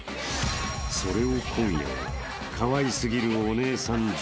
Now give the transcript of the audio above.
［それを今夜はかわい過ぎるお姉さん女優